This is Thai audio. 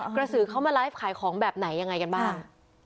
กระสือเขามาไลฟ์ขายของแบบไหนยังไงกันบ้าง